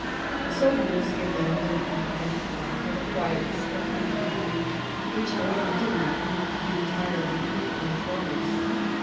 So "Wolsey abandoned academic life for the quietness of a country living, which, however, did not prove to be entirely free from troubles.